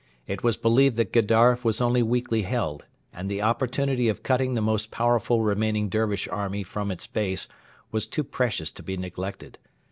It was believed that Gedaref was only weakly held, and the opportunity of cutting the most powerful remaining Dervish army from its base was too precious to be neglected.